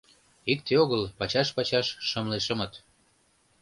Икте огыл — пачаш-пачаш шымле шымыт.